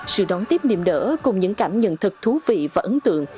sự đón tiếp niềm đỡ cùng những cảm nhận thật thú vị và ấn tượng